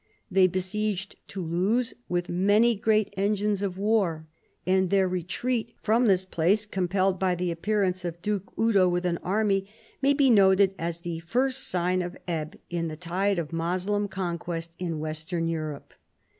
They besieged Toulouse with many great engines of war, and their retreat from this place, compelled by the appearance of Duke Eudo with an army, may be noted as the first sign of ebb in the tide of Moslem conquest in Western Europe.